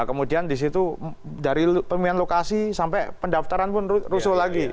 kemudian di situ dari pemilihan lokasi sampai pendaftaran pun rusuh lagi